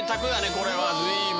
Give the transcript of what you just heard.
これは随分。